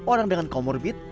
orang dengan komorbit